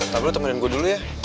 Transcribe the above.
kamu temenin gue dulu ya